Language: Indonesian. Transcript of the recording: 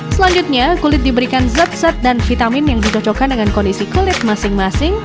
selanjutnya kulit diberikan zat zat dan vitamin yang dicocokkan dengan kondisi kulit masing masing